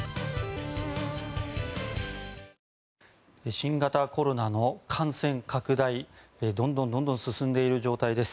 新型コロナの感染拡大どんどん進んでいる状態です。